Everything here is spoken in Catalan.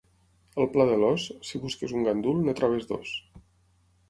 Al Pla de l'Os, si busques un gandul, en trobes dos.